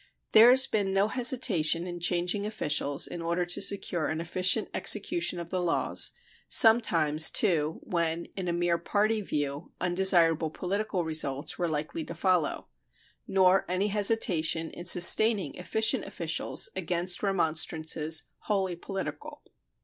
There has been no hesitation in changing officials in order to secure an efficient execution of the laws, sometimes, too, when, in a mere party view, undesirable political results were likely to follow; nor any hesitation in sustaining efficient officials against remonstrances wholly political.